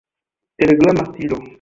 Telegrama stilo.